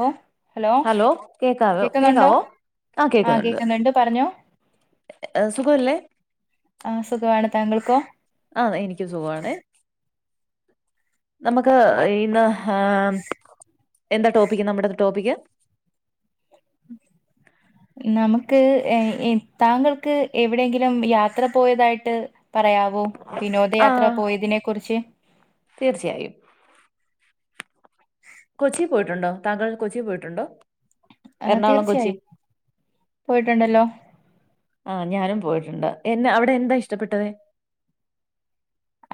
ഹ hello കേക്കാവോ കേക്കുന്നുണ്ടോ? കേക്കാവോ ആഹ കേക്കുന്നുണ്ട്. പറഞ്ഞോ. സുഖല്ലേ? ആ സുഖാണ്. താങ്കൾക്കോ? ആഹ എനിക്കു സുഖാണെ. നമുക്ക് ഇന്ന് ആ എന്താ ടോപ്പിക്ക്. നമ്മുടെ ടോപ്പിക്ക്? ഉ നമുക്ക് താങ്കൾക്ക് എവിടെയെങ്കിലും യാത്ര പോയതായിട്ട് പറയാവോ? ആ വിനോദയാത്ര പോയതിനെ കുറിച്ച് തീർച്ചയായും. കൊച്ചി പോയിട്ടുണ്ടോ? താങ്കൾ കൊച്ചി പോയിട്ടുണ്ടോ? ആ എറണാകുളം കൊച്ചി. തീർച്ചയായും പോയിട്ടുണ്ടല്ലോ ആ ഞാനും പോയിട്ടുണ്ട്. എന അവിടെ എന്താ ഇഷ്ടപ്പെട്ടത്?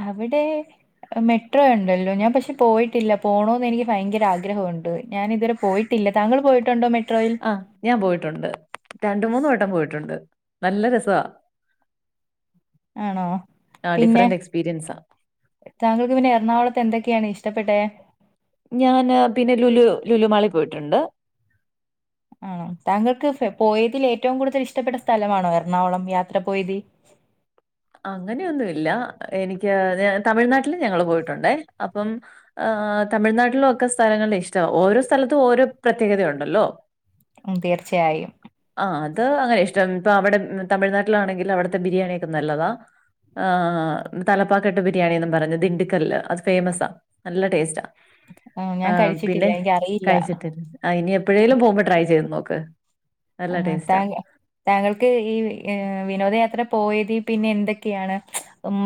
അവിടെ മെട്രോ ഉണ്ടല്ലോ. ഞാൻ പക്ഷെ പോയിട്ടില്ല. പോണോന്ന് എനിക്ക് ഭയങ്കര ആഗ്രഹമുണ്ട്. ഞാൻ ഇതുവരെ പോയി ട്ടില്ല. താങ്കൾ പോയിട്ടുണ്ടോ മെട്രോയിൽ? ആഹ് ഞാൻ പോയിട്ടുണ്ട്. രണ്ടു മൂന്ന് വട്ടം പോയിട്ടുണ്ട്. നല്ല രസാ ആണോ ആഹ പിന്നെ ഡിഫറന്റ് എക്സ്പീരിയൻസാ. താങ്കൾക്ക് പിന്നെ എറണാകുളത്ത് എന്തൊക്കെയാണ് ഇഷ്ടപ്പെട്ടെ? ഞാന്. പിന്നെ ലുലു ലുലുമാളിൽ പോയിട്ടുണ്ട്. ആണോ താങ്കൾക്ക് പോയതിൽ ഏറ്റവും കൂടുതൽ ഇഷ്ടപ്പെട്ട സ്ഥലമാണോ എറണാകുളം യാത്ര പോയതിൽ? അങ്ങനെയൊന്നു ഇല്ല. എനിക്ക് തമിഴ്നാട്ടിലും ഞങ്ങള് പോയിട്ടുണ്ടേ അപ്പം ആഹ് തമിഴ്നാട്ടിലൊക്കെ സ്ഥലങ്ങള് ഇഷ്ട്ടാ. ഓരോ സ്ഥലത്തും ഓരോ പ്രത്യേകതയുണ്ടല്ലോ. തീർച്ചയായും. ആഹ് അത് അങ്ങനെ ഇഷ്ടം. ഇപ്പ അവിടെ തമിഴ്നാട്ടിലാണെങ്കിൽ അവിടുത്തെ ബിരിയാണിയൊക്കെ നല്ലതാ. ആഹ് തലപ്പാക്കെട്ട് ബിരിയാണിന്ന് പറഞ്ഞ്. ദിണ്ടക്കല് അത് ഫേമസാ. നല്ല ടേസ്റ്റാ. ഉം ആ ഞാൻ കഴിച്ചിട്ടില്ല. പിന്നെ എനിക്കറിയില്ല. കഴിച്ചിട്ടി [unintelligible] ആ ഇനി എപ്പോഴേലും പോകുമ്പോ ട്രൈ ചെയ്ത് നോക്ക്. നല്ല ആഹ് ടേസ്റ്റാ. താങ്ക താങ്കൾക്ക് ഈ വിനോദയാത്ര പോയത് പിന്നെ എന്തൊക്കെയാണ്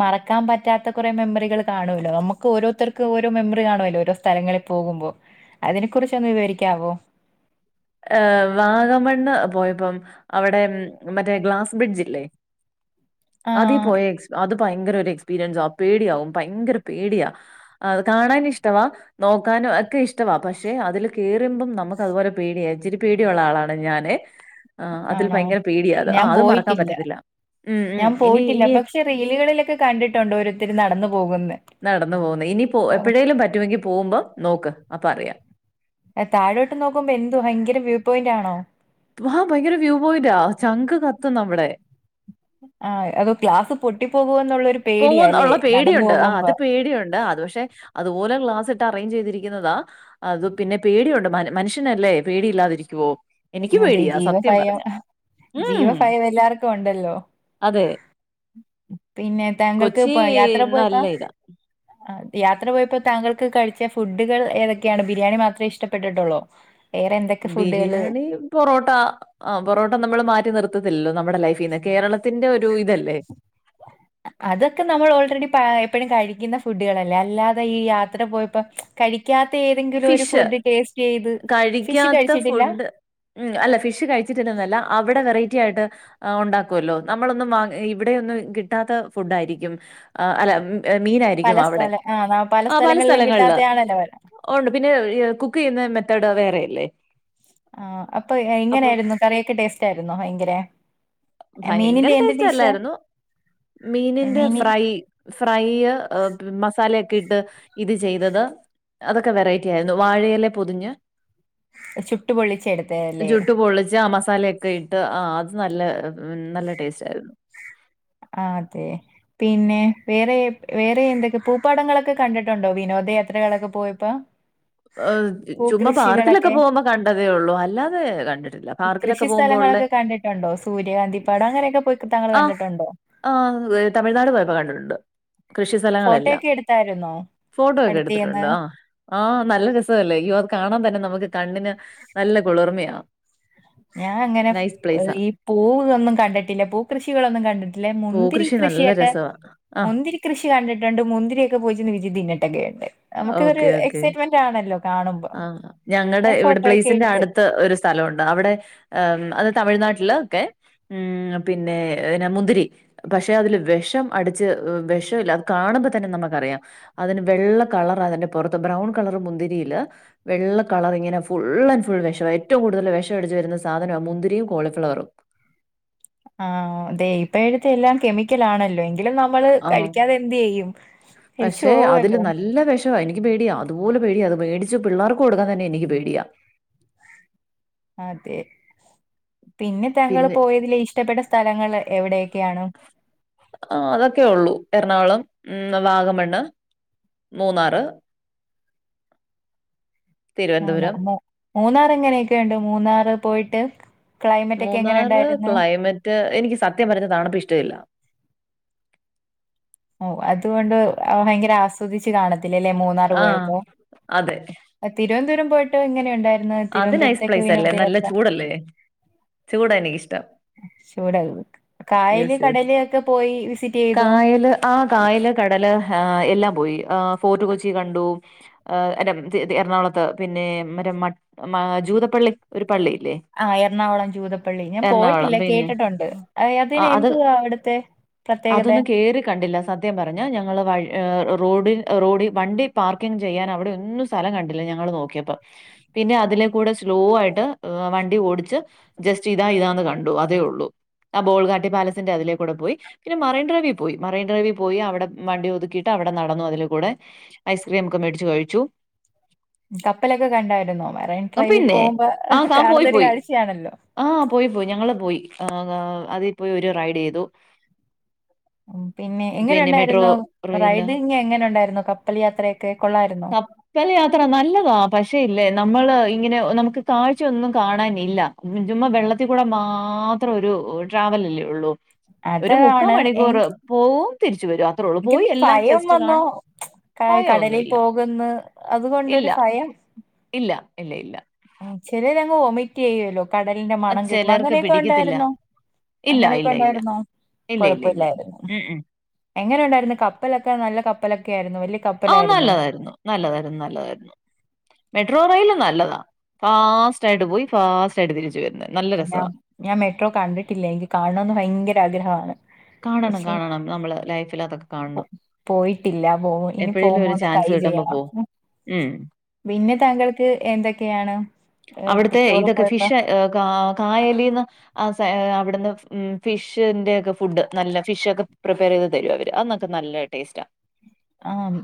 മറക്കാൻ പറ്റാത്ത കുറെ മെമ്മറികൾ കാണുമല്ലോ നമുക്ക് ഓരോരുർക്ക് ഓരോ മെമ്മറി കാണോല്ലോ ഓരോ സ്ഥലങ്ങളിൽ പോകുമ്പോ അതിനെ കുറിച്ച ഒന്ന് വിവരിക്കാവോ ഏഹ് വാഗമണ്ണ പോയപ്പം അവിടെ മറ്റേ ഗ്ലാസ് ബ്രിഡ്ജ്ല്ലേ അതി ആഹ് പോയ എക് അത് ഭയങ്കര ഒരു എക്സ്പീരിയൻസ പേടിയാവും ഭയങ്കര പേടിയാ ആഹ് അത് കാണാനൻ ഇഷ്ടവാ നോക്കാനും ഒക്കെ ഇഷ്ടവാ പക്ഷെ അതില് കേയറുമ്പം നമുക്ക് അതുപോലെ പേടിയ ഇച്ചിരി പേടിയുള്ള ആളാണ് ഞാന് ആഹ് അതിൽ ആണോ? ഭയങ്കര പേടിയത് ഞാൻ ആഹ് അത് മറക്കാൻ പോയിട്ടില്ല. പറ്റത്തില്ല മ് മ് ഞാൻ ഇനി പോയിട്ടില്ല. ഇനി പക്ഷെ റീലുകളിലൊക്കെ കണ്ടിട്ടുണ്ട് ഓരോത്തര് നടന്ന് പോകുന്നെ നടന്നു പോകുന്നെ ഇനി പോ എപ്പോഴേലും പറ്റുവെങ്കി പോകുമ്പം നോക്ക് അപ്പ അറിയാം താഴോട്ട് നോക്കുമ്പോ എന്തു ഭയങ്കര വ്യൂ പോയിന്റാണോ ആഹ് ഭയങ്കര വ്യൂ പോയിന്റാ ചങ്ക് കത്തും നമ്മടെ ആഹ് അതോ ക്ലാസ് പൊട്ടി പോവോന്നുള്ളൊരു പോവോന്ന് ഉള്ള പേടിയുണ്ട് ആഹ് അത് പേടിയുണ്ട് അത് പക്ഷെ അതുപോലെ ഗ്ലാസ്സിട്ട് അറേഞ്ച് ചെയ്തിരിക്കുന്നതാ അത് പിന്നെ പേടിയുണ്ട് മൻ മനുഷ്യനല്ലേ പേടി ഇല്ലാതിരിക്കുവോ അതെ ജീവഫയം ഉം. ജീവഫയം എല്ലാർക്കുണ്ടല്ലോ അതെ. പിന്നെ താങ്കൾക്ക് കൊച്ചി പോ യാത്ര നല്ല പോയപ്പൊ ഇതാ. ആഹ് യാത്ര പോയപ്പോ താങ്കൾക്ക് കഴിച്ച ഫുഡുകൾ ഏതൊക്കെയാണ് ബിരിയാണി മാത്രെ ഇഷ്ടപ്പെട്ടിട്ടൊള്ളോ വേറെ എന്തൊക്കെ ഫുഡുകള് ബിരിയാണി, പൊറോട്ട ആഹ് പൊറോട്ട നമ്മൾ മാറ്റി നിർത്തത്തില്ലല്ലോ നമ്മടെ ലൈഫീന്ന് കേരളത്തിന്റെ ഒരു ഇതല്ലേ അതൊക്കെ നമ്മൾ ഓൾറെഡി പഴെ എപ്പഴും കഴിക്കുന്ന ഫുഡുകളല്ലേ അല്ലാതെ ഈ യാത്ര പോയപ്പം കഴിക്കാത്ത ഏതെങ്കിലും ഒരു ഫിഷ് ഫുഡ് ടേസ്റ്റ് ചെയ്ത് ഫിഷ് കഴിച്ചിട്ടില്ല മ് അല്ല ഫിഷ് കഴിച്ചിട്ടില്ലന്നെല്ല അവിടെ വെറൈറ്റി ആയിട്ട് ആഹ് ഉണ്ടാക്കുവല്ലോ നമ്മളൊന്നും വാ ഇവിടെ ഒന്നും കിട്ടാത്ത ഫുഡ് ആയിരിക്കും അല്ല മ് പല മീനായിരിക്കും അവടെ ആഹ് പല സ്ഥലങ്ങൾല് വേണ്ട വേണ്ട ഒണ്ട് പിന്നെ കുക്ക് ചെയ്യുന്ന മെത്തേഡ് വേറെയല്ലേ ആഹ് അപ്പൊ അപ്പൊ എങ്ങനെയായിരുന്നു കറിയൊക്കെ ടേസ്റ്റ് ആയിരുന്നോ ഭയങ്കരെ ഭയങ്കര ടേസ്റ്റ് അല്ലായിരുന്നു മീനിന്റെ മീന് ഫ്രൈ ഫ്രൈയ്യ് ഏഹ് മസാലൊക്കെ ഇട്ട് ഇത് ചെയ്തത് അതൊക്കെ വെറൈറ്റി ആയിരുന്നു വാഴഎലെ പൊതിഞ്ഞ് ചുട്ടു പൊള്ളിച്ചെടുത്തല്ലേ ജുട്ട് പൊള്ളിച്ച് ആ മസാലെ ക്കെ ഇട്ട് ആഹ് അത് നല്ല നല്ല ടേസ്റ്റായിരുന്നു ആതെ പിന്നെ വേറെ വേറെ എന്തൊക്കെ പൂപ്പാടങ്ങളൊക്കെ കണ്ടിട്ടുണ്ടോ വിനോദ യാത്രകളൊക്കെ പോയപ്പോ ഏഹ് ചുമ്മാ പാർക്കിലൊക്കെ പൂകൃഷികളൊക്കെ പോവുമ്പോ കണ്ടതേ ഉള്ളൂ അല്ലാതെ കണ്ടിട്ടില്ല പാർക്കിലൊക്കെ പോകുമ്പോൾ ഉള്ളേ ഉണ്ടോ സൂര്യകാന്തി പാട അങ്ങനെയൊക്കെ പോയി താങ്കൾ ആഹ് കണ്ടിട്ടുണ്ടോ ആഹ് തമിഴ്നാട് പോയപ്പോ കണ്ടിട്ടുണ്ട് കൃഷി സ്ഥലങ്ങളെല്ലാം ഫോട്ടോയൊക്കെ എടുത്തായിരുന്നോ ഫോട്ടോ ഒക്കെ അടുത്തീന്ന് എടുത്തിട്ടുണ്ട് ആഹ് ആഹ് നല്ല രസവല്ലേ അയ്യോ അത് കാണാൻ തന്നെ നമുക്ക് കണ്ണിന് നല്ല കുളിർമയാ ഞാൻ അങ്ങനെ നൈസ് പ്ലേസാ. ഈ പൂവൊന്നും കണ്ടിട്ടില്ല പൂ കൃഷികളൊന്നും കണ്ടിട്ടി ല്ലെ മുന്തിരി പൂക്കൃഷി നല്ല കൃഷിയൊക്കെ രസവാ. ആഹ് മുന്തിരി കൃഷി കണ്ടിട്ടുണ്ട് മുന്തിയൊക്കെ പോയിച്ചിന്ന് വിജിതിന്നിട്ടൊക്കെ ഉണ്ട് നമുക്കൊരു ഓക്കെ ഓക്കെ. എക്സൈറ്റ്മെന്റ് ന്റാണല്ലോ ആഹ് ഞങ്ങടെ ഇവിടെ പ്ലേസിന്റെ എടുത്ത് അട് ത്ത് ഒരു സ്ഥലവുണ്ട് അവിടെ അത് തമിഴ്നാട്ടില് ഒക്കെ ഉം പിന്നെ ന്നെ മുന്തിരി പക്ഷെ അതില് വെഷം അടിച്ച് വെഷവില്ല അത് കാണുമ്പോ തന്നെ നമുക്കറിയാം അതിന് വെള്ള കളറാ അതിന്റെ പൊറത്ത് ബ്രൗൺ കളർ മുന്തിരിയില് വെള്ള കളർ ഇങ്ങനെ ഫുൾ ആൻഡ് ഫുൾ വേഷവാ ഏറ്റവും കൂടുതൽ വെഷം അടിച്ച് വരുന്ന സാധനാ മുന്തിരിയും കോളിഫ്ലവളറും ആഹ് ദേ ഇപ്പഴത്തെ എല്ലാം കെമിക്കൽ ആണല്ലെ എങ്കിലും നമ്മള് ആഹ് കഴിക്കാതെ എന്തെയ്യും കഴിച്ച് പക്ഷെ അതില് പോകുവല്ലോ നല്ല വിഷവാ എനിക്ക് പേടിയ അതുപോലെ പേടിയാ അത് മേടിച്ച് പിള്ളേർക്ക് കൊടുക്കാൻ തന്നെ എനിക്ക്‌ പേടിയാ അതെ പിന്നെ താങ്കൾ പോയതിൽ ഇഷ്ടപ്പെട്ട സ്ഥലങ്ങൾ എവിടെ ഒക്കെയാണ് ആഹ് അതൊക്കെ ഉള്ളൂ എറണാകുളം ഉം വാഗമണ്ണ് മൂന്നാറ് മൂന്നാർ തിരുവനന്തപുരം. മു മൂന്നാർ എങ്ങനെയൊക്കെ ഉണ്ട് മൂന്നാറ് പോയിട്ട് ക്ലൈമറ്റ് ഒക്കെ എങ്ങനെ ഉണ്ടായിരുന്നു റ്റ് എനിക്ക് സത്യം പറഞ്ഞാ തണുപ്പ് ഇഷ്ടവില്ല ഓ അതുകൊണ്ട് ഭയങ്കര ആസ്വദിച്ചു കാണത്തില്ല അല്ലേ മൂന്നാറ് ആഹ് പോയപ്പോ അതെ. അ തിരുവന്തപുരം പോയിട്ട് എങ്ങനെ ഉണ്ടായി അത് നൈസ് പ്ലൈസ് അല്ലേ നല്ല ചൂടല്ലേ ചൂടാ എനിക്കിഷ്ടം ചൂടായി നിക്ക് കായല് യെസ് യെസ്. കടല് ഒക്കെ പോയി വിസിറ്റ് ചെയ്തോ കായല് ആഹ് കായല് കടല് എല്ലാം പോയി ആഹ് ഫോർട്ട് കൊച്ചി കണ്ടു എറണാകുളത്ത് പിന്നെ മറ്റ മ ജൂതപ്പള്ളി ഒരു പള്ളിയില്ലേ ആഹ് എറണാകുളം ജൂതപ്പള്ളി ഞാൻ എറണാകുളം പോയിട്ടില്ല പിന്നെ കേട്ടിട്ടുണ്ട് അതിന് ആഹ് എന്തുവാ അവിടുത്തെ പ്രത്യേകതെ പേര് കണ്ടില്ല സ ത്യം പറഞ്ഞ ഞങ്ങൾ വഴ് ഏഹ് റോഡ് റോഡ് വണ്ടി പാർക്കിംഗ് ചെയ്യാൻ അവിടെ ഒന്നും സ്ഥലം കണ്ടില്ല ഞങ്ങള് നോക്കിയപ്പോ പിന്നെ അതില കൂടെ സ്ലോ ആയിട്ട് വണ്ടി ഓടിച്ച് ജസ്റ്റ് ഇതാ ഇതാന്ന് കണ്ടു അതേ ഉള്ളൂ ആഹ് ബോൾഗാട്ടി പാലസിന്റെ അതിലേക്കൂടെ പോയി പിന്നെ മറൈൻ ഡ്രൈവി പോയി മറൈൻ ഡ്രൈവി പോയി അവിടെ വണ്ടി ഒതുക്കിയിട്ട് അവിടെ നടന്നു അതില കൂടെ ഐസ്ക്രീം ഒക്കെ മേടിച്ച് കഴിച്ചു കപ്പലൊക്കെ കണ്ടായിരുന്നോ മറൈൻ ആ, ഡ്രൈവി പിന്നെ പോകുമ്പോ കാണുന്നൊരു കാഴ്ചയാണല്ലോ ആഹ് പോയി പോയി ഞങ്ങള് പോയി അതിൽ പോയി ഒരു റൈഡ് ചെയ്തു ഉം പിന്നെ എങ്ങനെ പിന്നെ മെട്രോ ഉണ്ടായിരുന്നു റെയില് റൈഡിങ് എങ്ങനെ ഉണ്ടായിരുന്നു കപ്പൽ യാത്രയൊക്കെ കൊള്ളായിരുന്നോ കപ്പൽ യാത്ര നല്ലതാ പക്ഷേ ഇല്ലേ നമ്മള് ഇങ്ങനെ നമുക്ക് കാഴ്ച ഒന്നും കാണാനില്ല ചുമ്മാ വെള്ളത്തിൽക്കൂടെ മാ അത്ര ഒരു ട്രാവൽ അല്ലേ ഉള്ളൂ ഒരു മുക്കാ അതാണ് മണിക്കൂർ എനിക്ക് പോവും തിരിച്ച് വരും അത്രേ ഉള്ളൂ. എനിക്ക് പോയി ഒന്ന് എല്ലാം ഭയം ജസ്റ്റ് വന്നോ കാണും ക കടലിൽ ഭയമൊന്നുമില്ല. പോകുന്ന് അതുകൊണ്ടൊരു ഇല്ല ഭയം ഇല്ല ഇല്ല ഇല്ല ഉം ചിലര് അങ്ങ് വോമിറ്റ് ചെയ്യുമല്ലോ കടലിന്റെ അത് മണം കേൾക്കുമ്പോ ചിലർക്ക് അങ്ങനെയൊക്കെ പിടിക്കത്തില്ല. ഉണ്ടായിരുന്നോ ഇല്ല അങ്ങനെയൊക്കെ ഇല്ല ഇല്ല. ഉണ്ടായിരുന്നോ ഇല്ല ഇല്ല ഇല്ല. കൊഴപ്പില്ലായിരുന്നു ഉം ഉം. എങ്ങനെ ഉണ്ടായിരുന്നു കപ്പലൊക്കെ നല്ല കപ്പലൊക്കെ ആയിരുന്നു വല്യ ആഹ് നല്ലതായിരുന്നു, നല്ലതായിരുന്നു, നല്ലതായിരുന്നു. മെട്രോ റെയിൽവെ നല്ലതാ ഫാസ്റ്റ് ആയിട്ട് പോയി ഫാസ്റ്റായിട്ട് തിരിച്ചു വരുന്നെയാ ഞാൻ ഞാൻ മെട്രോ കണ്ടിട്ടില്ല എനിക്ക് കാണണംന്ന് ഭയങ്കര ആഗ്രഹമാണ് കാണണം പക്ഷേ കാണണം നമ്മള് ലൈഫിലതൊക്കെ പോ കാണണം പോയിട്ടില്ല. പോ ഇനി എപ്പഴേലും പോകുമ്പോ ഒരു ഒന്ന് ട്രൈ ചാൻസ് കിട്ടുമ്പം ചെയ്യണം. പോവും ഉം. ഹ്മ്മ് പിന്നെ താങ്കൾക്ക് എന്തൊക്കെയാണ് അവിടുത്തെ ടൂറ് ഇതൊക്കെ പോയപ്പോ ഫിഷ് ഏഹ് കാ കായലീന്ന് ആസെ അവട്ന്ന് ഫിഷിന്റെക്കെ ഫുഡ് നല്ല ഫിഷൊക്കെ പ്രിപ്പേറെയ്ത് തരും അവര് അന്നൊക്കെ നല്ല ടേസ്റ്റാ ആഹ്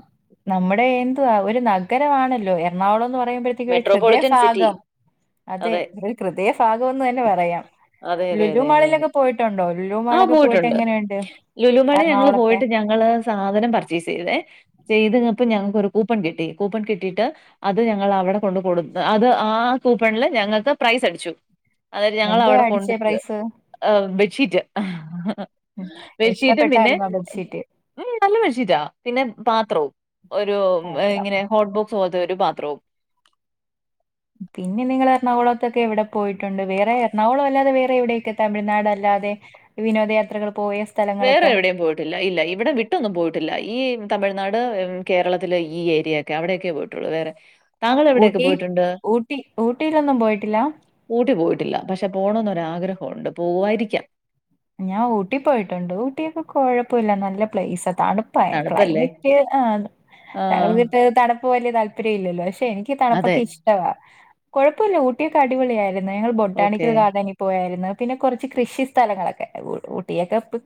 നമ്മുടെ എന്തോ അവര് നഗരമാണല്ലോ എ എറണാകുളം എന്ന് പറയുമ്പഴ്ത്തേക്ക് ഒര് മെട്രോപൊളിറ്റൻ സിറ്റി. ഗൃദയഫാഗം അതെ ഒര് ഗൃതയഫാഗം എന്നു തന്നെ പറയാം അതെ അതെ ലുലു അതെ അതെ അതെ. മാളിലൊക്കെ പോയിട്ടുണ്ടോ ആ ലുലുമാളൊക്കെ പോയിട്ട് പോയിട്ടുണ്ട്. എങ്ങനെയുണ്ട് ലുലുമാളി ഞങ്ങള് എറണാകുളത്തെ പോയിട്ട് ഞങ്ങള് സാധനം പർച്ചേസെയ്തേ ചെയ്ത് കഴിഞ്ഞപ്പോ ഞങ്ങൾക്കൊരു കൂപ്പൺ കിട്ടി കൂപ്പൺ കിട്ടിയ്ട്ട് അത് ഞങ്ങളവ്ടെ കൊണ്ട് കൊടുത്തു അത് ആ കൂപ്പണില് ഞങ്ങൾക്ക് പ്രൈസടിച്ചു അതായത് എന്തുവാ ഞങ്ങളവിടെ അടിച്ചേ കൊണ്ടിക്ക് പ്രൈസ്? ബെഡ്ഷീറ്റ് ഉം. ബെഡ്ഷീറ്റും പിന്നെ ഇഷ്ടപ്പെട്ടായിരുന്നോ ബെഡ്ഷീറ്റ്? ഹ്മ്മ് നല്ല ബെഡ്ഷീറ്റാ പിന്നെ പാത്രവും ഒരു മാത്രം. ഇങ്ങനെ ഹോട്ട് ബോക്സ് പോലത്തെ ഒര് പാ ലോ [inaudible] പിന്നെ നിങ്ങള് എറണാകുളത്തൊക്കെ എവടെ പോയിട്ടുണ്ട് വേറെ എറണാകുളം അല്ലാതെ വേറെ എവിടെക്കാ തമിഴ്നാട് അല്ലാതെ വിനോദയാത്രകള് പോയ സ്ഥ വേറെ എവിടിം പോയി ഇല്ല ഇല്ല ഇവടെ വിട്ടൊന്നും പോയിട്ടില്ല, ഈ തമിഴ്നാട് കേരളത്തിലെ ഈ ഏരിയ ക്കെ അവടെക്കെ പോയിട്ടൊള്ളൂ വേറെ താങ്കൾ എവിടെയൊക്കെ ഊട്ടി, പോയിട്ടുണ്ട് ഊട്ടി, ഊട്ടിലൊന്നും പോയിട്ടില്ലാ ഊട്ടി പോയിട്ടില്ല പക്ഷെ പോണംന്നൊരു ആഗ്രഹം ഉണ്ട് പോവായിരിക്കാം ഞാൻ ഊട്ടി പോയിട്ടുണ്ട്. ഊട്ടിയൊക്കെ കൊഴപ്പമില്ല നല്ല പ്ലേയ്സാ തണു പ്പാ തണുപ്പല്ലേ ക്ലൈമറ്റ് ആഹ് ആ താങ്കൾക്ക് തണപ്പ് വല്യ താല്പര്യം ഇല്ലല്ലോ പക്ഷെ ഇൻ ഇന്ക്ക് അതെ തണപ്പൊക്കെ ഇഷ്ടവാ കൊഴപ്പല്ല ഊട്ടിയൊക്കെ അടിപൊളിയായിരുന്നു ഞങ്ങള് ഓക്കെ ബൊട്ടാണിക്കൽ ഗാർഡന് പോയായിരുന്നു. പിന്നെ കൊറച്ച് കൃഷി സ്ഥലങ്ങളൊക്കെ ഊ ഊട്ടിയൊക്കെ പ് പോ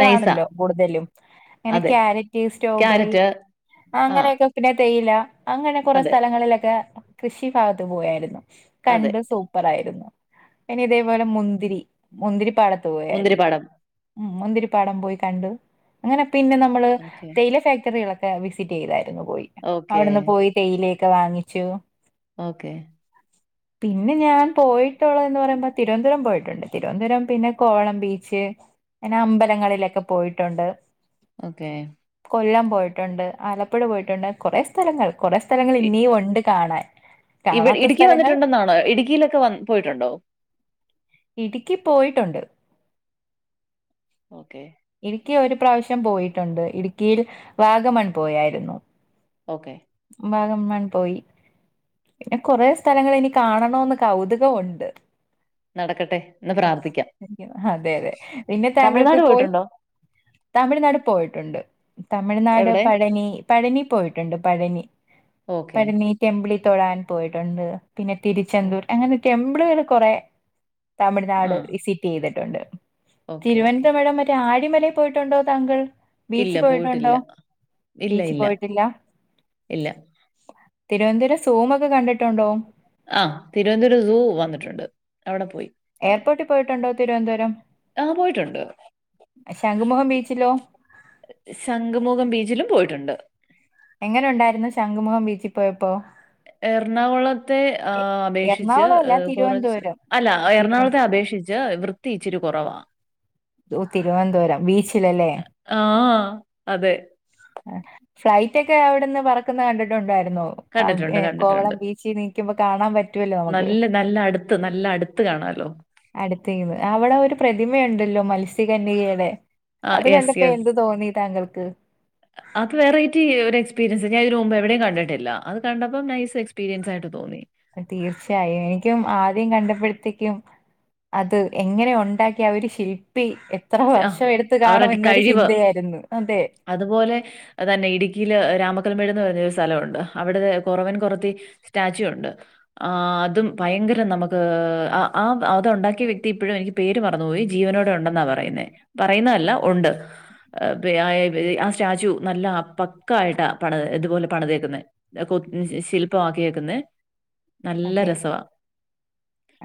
നൈസാ കൂടുതലും ഇങ്ങനെ അതെ ക്യാരറ്റ് സ്ട്രോബെറി ക്യാരറ്റ് ആ അങ്ങനെയൊക്കെ പിന്നെ തേയില അങ്ങനെ കൊറെ അതെ സ്ഥലങ്ങളിലൊക്കെ കൃഷി ഭാഗത്ത് പോയായിരുന്നു അതെ കണ്ട് സൂ പ്പറായിരുന്നു. പിന്നെ ഇതേപോലെ മുന്തിരി മുന്തിരിപ്പാടത്ത് പോയായിരുന്നു മുന്തിരിപ്പാടം ഹ്മ്മ് മുന്തിരിപ്പാടം പോയി കണ്ടു, അങ്ങനെ പിന്നെ നമ്മള് ഓക്കെ തേയില ഫെക് പച്ചക്കറികളൊക്കെ വിസിറ്റെയ്തായിരുന്നു പോയി. ഓക്കെ അവടെന്ന് പോയി തേയിലയൊക്കെ വാങ്ങിച്ചു ഓക്കേ പിന്നെ ഞാൻ പോയിട്ടുള്ളത് ന്ന് പറയുമ്പോ തിരുവനന്തുരം പോയിട്ടുണ്ട് തിരുവനന്തപുരം പിന്നെ കോളം ബീച്ച് പിന്നെ അമ്പലങ്ങളിലൊക്കെ പോയിട്ടുണ്ട്. ഓക്കെ. കൊല്ലം പോയിട്ടുണ്ട് ആലപ്പുഴ പോയിട്ടുണ്ട് കൊറെ സ്ഥലങ്ങൾ കൊറെ സ്ഥലങ്ങൾ ഇ ഇനിയും ഉണ്ട് കാണാൻ ഇവി കാണാത്ത ഇടുക്കി സ്ഥലങ്ങൾ വന്നിട്ടുണ്ടെന്നാണോ ഇടുക്കിയിലൊക്കെ വന്ന് പോയിട്ടുണ്ടോ ഇടുക്കി പോയിട്ടുണ്ട്. ഓക്കെ. ഇടുക്കി ഒരു പ്രാവശ്യം പോയിട്ടുണ്ട് ഇടുക്കിയിൽ വാഗമൺ പോയായിരുന്നു ഓക്കേ വാഗമൺ പോയി പിന്നെ കൊറേ സ്ഥലങ്ങൾ ഇനി കാണണവെന്ന് കൗതുകവൊണ്ട് നടക്കട്ടെ എന്ന് പ്രാർത്ഥിക്കാം അതെ അതെ പിന്നെ താങ്കൾക്ക് തമിഴ്നാട് പോയി പോയിട്ടുണ്ടോ തമിഴ്നാട് പോയിട്ടുണ്ട് തമിഴ്നാട് എവിടെ പഴനി പഴനി പോയിട്ടുണ്ട് പഴനി ഓക്കെ പഴനി ടെമ്പിളിൽ തൊഴാൻ പോയിട്ടുണ്ട് പിന്നെ ഉം. തിരുച്ചെന്തൂർ അങ്ങനെ ടെമ്പിളുകൾ കൊറേ ആ തമിഴ്നാട് വിസിറ്റ് ചെയ്തിട്ടുണ്ട് ഓക്കെ ഓക്കെ തിരുവനന്തപുരം മറ്റ് റ്റേ ആഴിമലയിൽ പോയിട്ടുണ്ടോ താങ്കൾ ബീച്ചി ഇല്ല പോയിട്ടുണ്ടോ പോയിട്ടില്ല ഇല്ല ബീച്ചി ഇല്ല പോയിട്ടില്ല ഇല്ല തിരുവനന്തപുരം സൂമ് ഒക്കെ കണ്ടിട്ടുണ്ടോ ആഹ് തിരുവനന്തപുരം സൂ വന്നിട്ടുണ്ട് അവിടെ പോയി എയർപോർട്ടിൽ പോയിട്ടുണ്ടോ തിരുവനന്തപുരം ആ പോയിട്ടുണ്ട് ശംഖുമുഖം ബീച്ചിലോ ശംഖുമുഖം ബീച്ചിലും പോയിട്ടുണ്ട് എങ്ങനൊണ്ടായിരുന്നു ശംഖുമുഖം ബീച്ചി പോയപ്പോ എറണാകുളത്തെ ആ എ- അപേക്ഷിച്ച് എറണാകുളം അല്ല കൊറച്ച് തിരുവനന്തപുരം അല്ല എറണാകുളത്തെ തിരുവനന്തപുരം അപേക്ഷിച്ച് വൃത്തി ഇച്ചിരി കൊറവാ ഓ തിരുവനന്തപുരം ബീച്ച് ആഹ് അതെ ആഹ് ഫ്ലൈറ്റ് ഒക്കെ അവിടെന്ന് പറക്കുന്നത് കണ്ടിട്ടുണ്ടായിരുന്നോ കണ്ടിട്ടുണ്ട് അവ്ടെ കണ്ടിട്ടുണ്ട് കോവളം ബീച്ചി നിക്കുമ്പോ കാണാൻ പറ്റുവല്ലോ നമുക്ക് നല്ല നല്ല അടുത്ത് നല്ല അടുത്ത് കാണാലോ. അടുത്തുനിന്ന് അവിടെ ഒരു പ്രതിമയുണ്ടല്ലോ മത്സ്യകന്യകയുടെ ആ അത് യെസ് കണ്ടപ്പോ യെസ്. എന്ത് തോന്നി താങ്കൾക്ക് അത് വെറൈറ്റി ഒരു എക്സ്പീരിയൻസ് ഞാൻ ഇതിനു മുമ്പ് എവിടെയും കണ്ടിട്ടില്ല അത് കണ്ടപ്പോ നൈസ് എക്സ്പീരിയൻസായിട്ട് തോന്നി തീർച്ചയായും എനിക്കും ആദ്യം കണ്ടപ്പഴത്തേക്കും അത് എങ്ങനെ ഒണ്ടാക്കി ആ ഒരു ശില്പി എത് ത്ര സ് ആ വർഷം എടുത്തു കാണും അവരുടെ എന്നൊരു കഴിവ് ചിന്തയാരുന്നു അതെ അതുപോലെ തന്നെ ഇടുക്കിയില് രാമക്കൽമേട് എന്ന് പറയുന്നൊരു സ്ഥലമുണ്ട് അവിടത്തെ കൊറവൻ കൊറത്തി സ്റ്റാച്യു ഒണ്ട് ആ അതും ഭയങ്കരം നമുക്ക് ആ അത് ഉണ്ടാക്കിയ വ്യക്തി ഇപ്പോഴും എനിക്ക് പേര് മറന്നുപോയി ജീവനോടെ ഒണ്ടെന്നാ പറയുന്നേ പറയുന്നതല്ല ഒണ്ട് ആ സ്റ്റാചു നല്ല പക്ക ആയിട്ടാ പണിത് ഇതുപോലെ പണിതേക്കുന്നേ കൊ ശില്പമാക്ക്യേക്കുന്നേ അതെ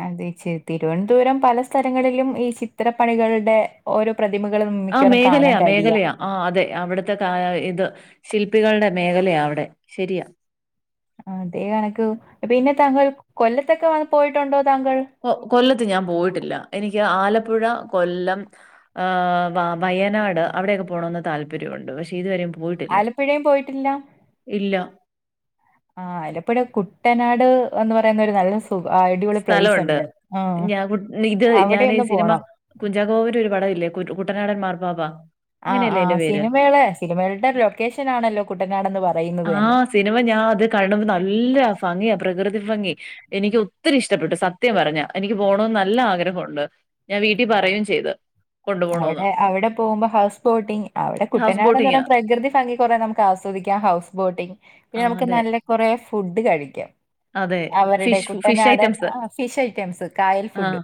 അതെ തിരുവനന്തപുരം പല സ്ഥലങ്ങളിലും ഈ ചിത്രപ്പണികളുടെ ഓരോ പ്രതിമകളും മിക്കവാറും കാണാൻ കഴിയാ ആഹ് അതെ അവിടുത്തെ കാ ഇത് ശില്പികളുടെ മേഖലയാ അവിടെ ശരിയാ അതേ കണക്ക് പിന്നെ താങ്കൾ കൊല്ലത്തൊക്കെ വന്ന് പോയിട്ടുണ്ടോ താങ്കൾ കൊ കൊല്ലത്ത് ഞാൻ പോയിട്ടില്ല എനിക്ക് ആലപ്പുഴ കൊല്ലം ആഹ് വ വയനാട് അവിടെയൊക്കെ പോണമെന്ന് താല്പര്യമുണ്ട് പക്ഷെ ഇത് വരേം ആലപ്പുഴേം പോയിട്ടില്ല ഇല്ല. ആഹ് അലപ്പുഴ കുട്ടനാട് എന്ന് പറയുന്നരു നല്ല സ് അയ്ടിപൊളി സ്ഥലമുണ്ട്. പ്ലൈസ്സ്ണ്ട് ഉം അവിടെ ഒന്ന് പോണം കുഞ്ചാക്കോവിന്റെ ഒരു പടവില്ലേ കുട്ടനാടൻ മാർപ്പാപ്പ ആ അങ്ങനെയല്ലേ ആ അതിന്റെ പേര്? സിനിമകളെ സിനിമകളുടെ ലൊക്കേഷനാണല്ലോ കുട്ടനാടെന്ന് പറയുന്നത് ആ തന്നെ സിനിമ ഞാൻ അത് കണുമ്പ നല്ല ഫംഗിയാ പ്രകൃതി ഫംഗി എനിക്കൊത്തിരി ഇഷ്ടപ്പെട്ടു. സത്യം പറഞ്ഞ, എനിക്ക് പോണന്ന് നല്ല ആഗ്രഹമുണ്ട് ഞാ വീട്ടി പറയുകയും ചെയ്ത് കൊണ്ടുപോണോന്ന്. അവിടെ അവിടെ പോകുമ്പോ ഹൗസ് ബോട്ടിംഗ്, അവിടെ ഹൗസ് കുട്ടനാട്ന്ന് പറഞ്ഞ ബോട്ടിംഗാ. പ്രകൃതി ഭംഗി കുറ നമുക്ക് ആസ്വദിക്കാം ഹൗസ് ബോട്ടിങ്, പിന്നെ ആ നമുക്ക് അതെ. നല്ല കൊറേ ഫുഡ് കഴിക്കാം അതെ. അവരുടെ ഫിഷ് ഫിഷ് കുട്ടനാടൻ ഐറ്റംസ്. ആഹ് ഫിഷ് ഐറ്റംസ്, കായൽ ആ. ഫുഡ്